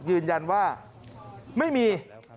ยืนยันว่าไม่มี